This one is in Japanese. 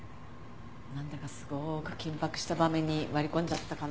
なんだかすごく緊迫した場面に割り込んじゃったかな？